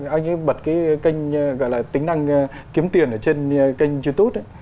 anh ấy bật cái kênh gọi là tính năng kiếm tiền ở trên kênh youtube ấy